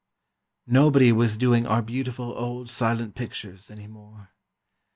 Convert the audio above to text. Nobody was doing our beautiful old silent pictures, any more.